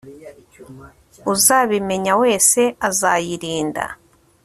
uzabimenya wese azayirinda